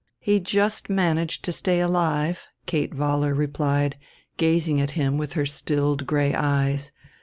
"He just managed to stay alive," Kate Vollar replied, gazing at him with her stilled gray eyes.